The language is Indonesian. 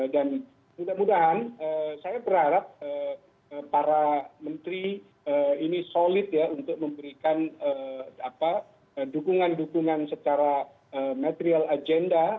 dan mudah mudahan saya berharap para menteri ini solid untuk memberikan dukungan dukungan secara material agenda